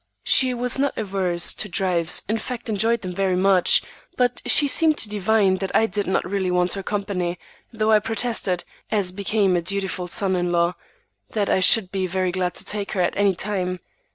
She was not averse to drives, in fact enjoyed them very much, but she seemed to divine that I did not really want her company, though I protested, as became a dutiful son in law, that I should be very glad to take her at any time.